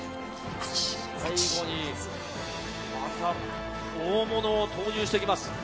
最後にまた大物を投入してきます。